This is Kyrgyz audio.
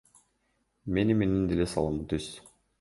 Мени менен деле саламы түз.